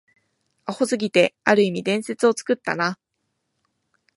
アホすぎて、ある意味伝説を作ったな